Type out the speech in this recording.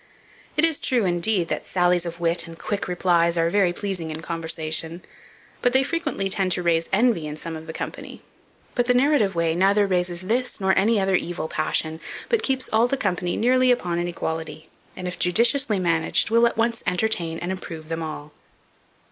It is true, indeed, that sallies of wit and quick replies are very pleasing in conversation; but they frequently tend to raise envy in some of the company: but the narrative way neither raises this, nor any other evil passion, but keeps all the company nearly upon an equality, and, if judiciously managed, will at once entertain and improve them all."